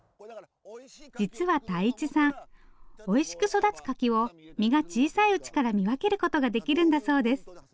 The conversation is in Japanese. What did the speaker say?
実は泰一さんおいしく育つ柿を実が小さいうちから見分けることができるんだそうです。